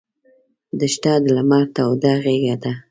دښته د لمر توده غېږه ده.